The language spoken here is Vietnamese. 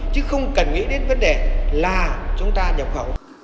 chứ không cần nghĩ đến vấn đề là chúng ta nhập khẩu